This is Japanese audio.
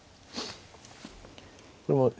これもね